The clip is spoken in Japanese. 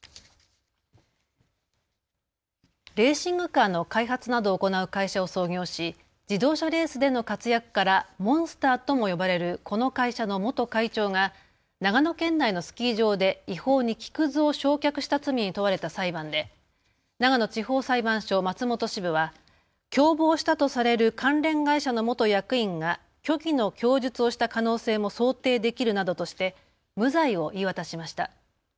レーシングカーの開発などを行う会社を創業し自動車レースでの活躍からモンスターとも呼ばれるこの会社の元会長が長野県内のスキー場で違法に木くずを焼却した罪に問われた裁判で長野地方裁判所松本支部は共謀したとされる関連会社の元役員が虚偽の供述をした可能性も想定できるなどとして無罪を言い渡しました。